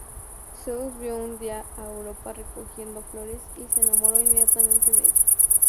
Zeus vio un día a Europa recogiendo flores y se enamoró inmediatamente de ella.